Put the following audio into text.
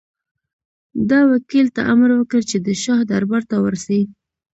ده وکیل ته امر وکړ چې د شاه دربار ته ورسي.